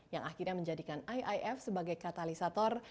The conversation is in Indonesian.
yang akhirnya menjadikan iif sebagai katalisator